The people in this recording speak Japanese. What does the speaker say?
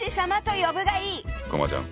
こまちゃん。